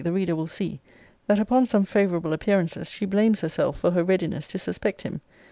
the reader will see, that upon some favourable appearances she blames herself for her readiness to suspect him.